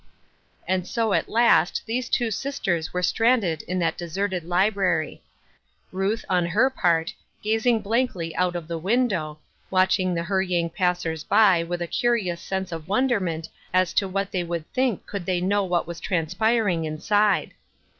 And so at last these two sisters were stranded in that deserted library. Ruth, on her part, gazing blankly out of the window, watching the hurrying passers by with a curious sense of wonderment as to what they would think could they know what was transpiring inside.